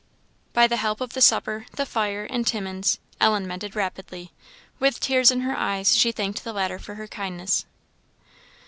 By the help of the supper, the fire, and Timmins, Ellen mended rapidly. With tears in her eyes, she thanked the latter for her kindness.